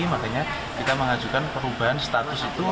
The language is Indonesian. makanya kita mengajukan perubahan status itu